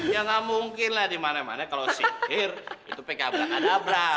ya gak mungkin lah di mana mana kalau sihir itu pakai abrak adabrak